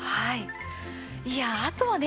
いやあとはね